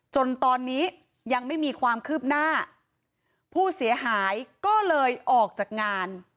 จนตอนนี้ยังไม่มีความคืบหน้าผู้เสียหายก็เลยออกจากงาน